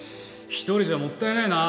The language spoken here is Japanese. １人じゃもったいないな